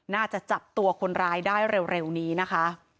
น่าจะจับตัวคนร้ายได้เร็วนี้นะคะ